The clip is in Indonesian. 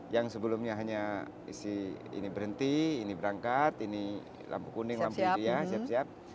yang sebelumnya hanya berhenti ini berangkat ini lampu kuning lampu biru siap siap